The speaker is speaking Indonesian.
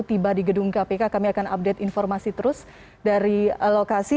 baik kita akan kembali di gedung kpk kami akan update informasi terus dari lokasi